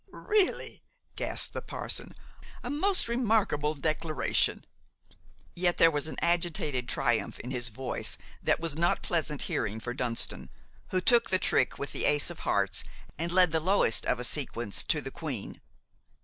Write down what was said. "Really!" gasped the parson, "a most remarkable declaration!" Yet there was an agitated triumph in his voice that was not pleasant hearing for Dunston, who took the trick with the ace of hearts and led the lowest of a sequence to the queen.